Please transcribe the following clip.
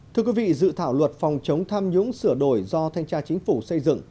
thưa quý vị dự thảo luật phòng chống tham nhũng sửa đổi do thanh tra chính phủ xây dựng